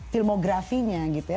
filmografinya gitu ya